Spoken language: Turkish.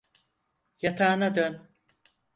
Yatağına dön.